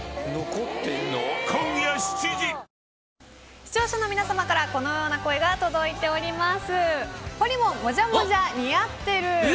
視聴者の皆さまからこのような声が届いています。